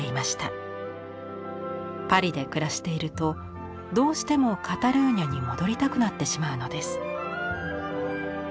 パリで暮らしているとどうしてもカタルーニャに戻りたくなってしまうのです。